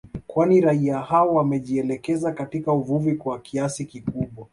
Kwani raia hao wamejielekeza katika uvuvi kwa kiasi kikubwa